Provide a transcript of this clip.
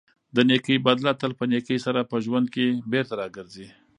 د نېکۍ بدله تل په نېکۍ سره په ژوند کې بېرته راګرځي.